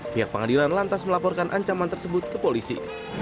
pihak pengadilan lantas melaporkan ancaman tersebut ke polisi